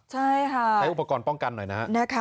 ใช่ค่ะใช้อุปกรณ์ป้องกันหน่อยนะฮะ